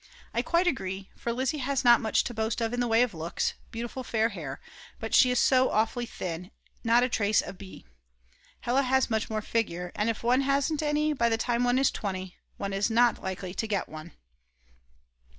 I quite agree, for Lizzi has not much to boast of in the way of looks, beautiful fair hair, but she is so awfully thin, not a trace of b , Hella has much more figure. And if one hasn't any by the time one is 20 one is not likely to get one.